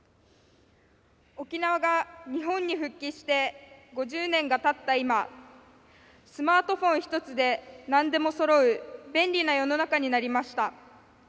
沖縄が日本に復帰して５０年がたった今スマートフォン１つでなんでもそろう便利な世の中になりました。